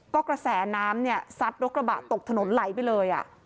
ก็กระแสน้ำเนี่ยซัดรถกระบะตกถนนไหลไปเลย